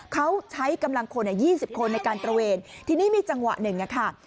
เขาใช้กำลังคนยี่สิบคนในการตระเวนทีนี้มีจังหวะหนึ่งอะค่ะ